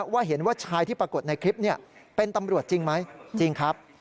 ว่าเห็นว่าชายที่ปรากฏในคลิปเป็นตำรวจจริงไหมจริงครับ